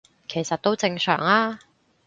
其實都正常吖